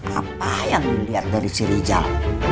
apa yang dilihat dari si rijal